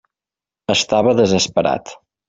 Estava desesperat.